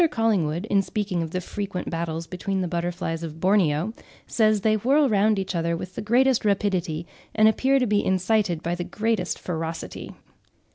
Collingwood, in speaking of the frequent battles between the butterflies of Borneo, says, "They whirl round each other with the greatest rapidity, and appear to be incited by the greatest ferocity."